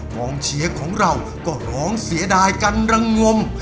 กองเชียร์ของเราก็ร้องเสียดายกันระงม